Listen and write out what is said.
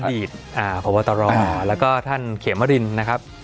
อดีตพบตรแล้วก็ท่านเขมรินนะครับ